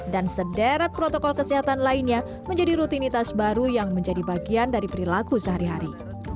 dan sederet protokol kesehatan lainnya menjadi rutinitas baru yang menjadi bagian dari perilaku sehari hari